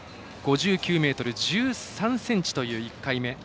５９ｍ１３ｃｍという１回目。